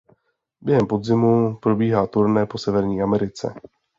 Během podzimu probíhá turné po Severní Americe.